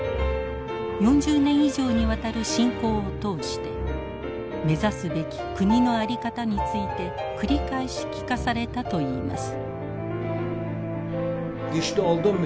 ４０年以上にわたる親交を通して目指すべき国の在り方について繰り返し聞かされたといいます。